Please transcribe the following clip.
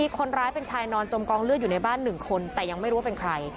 คนร้ายเป็นชายนอนจมกองเลือดอยู่ในบ้าน๑คนแต่ยังไม่รู้ว่าเป็นใคร